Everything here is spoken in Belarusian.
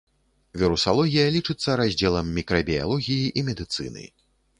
Вірусалогія лічыцца раздзелам мікрабіялогіі і медыцыны.